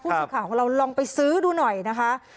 สื่อข่าวของเราลองไปซื้อดูหน่อยนะคะ